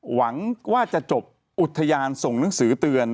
หวังว่าจะจบอุทยานส่งหนังสือเตือน